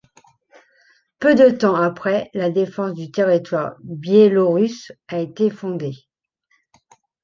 Peu de temps après, la Défense du territoire biélorusse a été fondée.